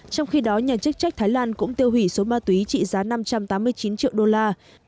trong khi đó nhà chức trách thái lan cũng tiêu hủy số ma túy trị giá năm trăm tám mươi chín triệu đô la